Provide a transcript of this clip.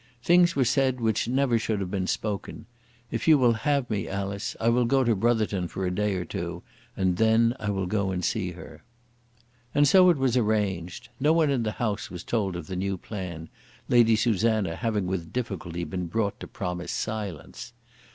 Things were said which never should have been spoken. If you will have me, Alice, I will go to Brotherton for a day or two, and I will then go and see her." And so it was arranged. No one in the house was told of the new plan, Lady Susanna having with difficulty been brought to promise silence.